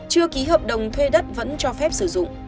chưa ký hợp đồng thuê đất vẫn cho phép sử dụng